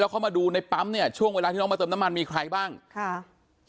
เขามาดูในปั๊มเนี่ยช่วงเวลาที่น้องมาเติมน้ำมันมีใครบ้างค่ะ